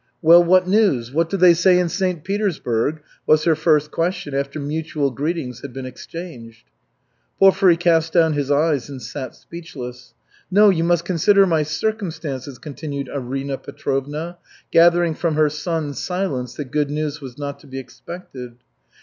"Well, what news? What do they say in St. Petersburg?" was her first question, after mutual greetings had been exchanged. Porfiry cast down his eyes and sat speechless. "No, you must consider my circumstances," continued Arina Petrovna, gathering from her son's silence that good news was not to be expected.